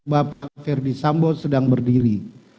bapak ferdis samboh sedang berdiri